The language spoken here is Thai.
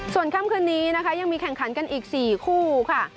ส่วนค่ำคืนนี้นะคะยังมีแข่งขันกันอีก๔คู่ค่ะ